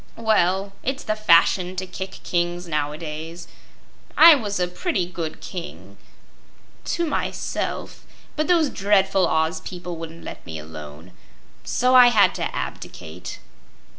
"Well, it's the fashion to kick kings nowadays. I was a pretty good King to myself but those dreadful Oz people wouldn't let me alone. So I had to abdicate."